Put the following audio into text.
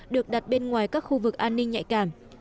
được đặt bên ngoài các khu vực an ninh nhạy cảm